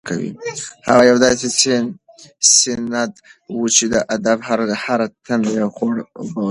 هغه یو داسې سیند و چې د ادب هره تنده یې خړوبوله.